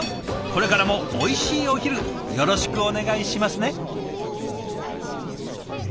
これからもおいしいお昼よろしくお願いしますね。